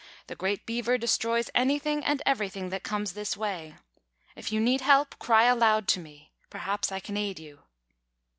The great Beaver destroys anything and everything that comes this way. If you need help, cry aloud to me. Perhaps I can aid you."